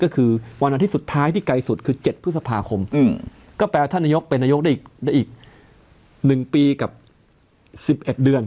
ก็คือวันอาทิตย์สุดท้ายที่ไกลสุดคือ๗พฤษภาคมก็แปลว่าท่านนายกเป็นนายกได้อีก๑ปีกับ๑๑เดือน